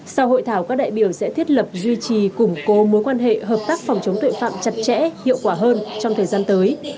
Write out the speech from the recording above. sau hội thảo các đại biểu sẽ thiết lập duy trì củng cố mối quan hệ hợp tác phòng chống tội phạm chặt chẽ hiệu quả hơn trong thời gian tới